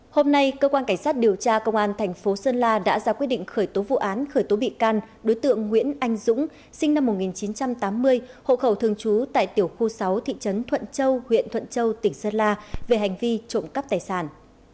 hôm nay cơ quan cảnh sát điều tra công an thành phố sơn la đã ra quyết định khởi tố vụ án khởi tố bị can đối tượng nguyễn anh dũng sinh năm một nghìn chín trăm tám mươi hộ khẩu thường trú tại tiểu khu sáu thị trấn thuận châu huyện thuận châu tỉnh sơn la về hành vi trộm cắp tài sản